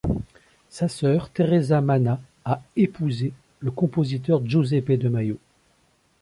Sa sœur Teresa Manna a épousé le compositeur Giuseppe de Majo.